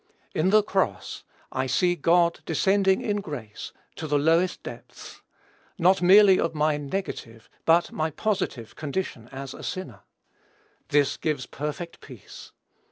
In the cross, I see God descending in grace to the lowest depths, not merely of my negative, but my positive condition, as a sinner. This gives perfect peace.